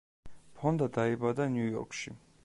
ფონდა დაიბადა ნიუ-იორკში.